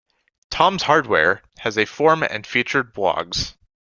"Tom's Hardware" has a forum and featured blogs.